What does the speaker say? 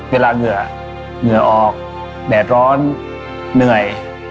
เหงื่อเหงื่อออกแดดร้อนเหนื่อย